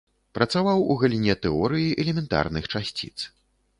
Працаваў у галіне тэорыі элементарных часціц.